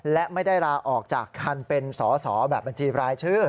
และไม่ได้ลาออกจากการเป็นสอสอแบบบัญชีรายชื่อ